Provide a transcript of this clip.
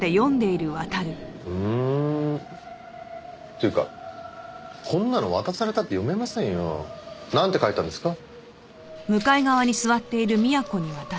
っていうかこんなの渡されたって読めませんよ。なんて書いてあるんですか？